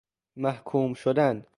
محکوم شدن